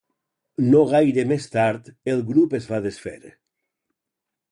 No gaire més tard, el grup es va desfer.